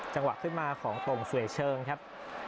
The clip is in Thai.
จังหวะขึ้นมาของตงสวยเชิงครับ